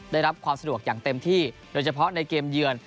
ได้รับความสะดวกอย่างเต็มที่โดยเฉพาะในเกมเยือน